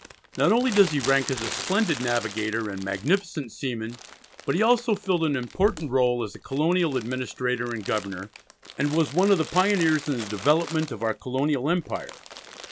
Not only does he rank as a splendid navigator and magnificent seaman, but he also filled an important rôle as a colonial administrator and governor, and was one of the pioneers in the development of our colonial empire.